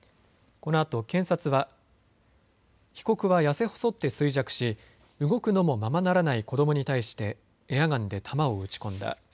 このあと検察は被告は痩せ細って衰弱し動くのもままならない子どもに対してエアガンで弾を撃ち込んだ。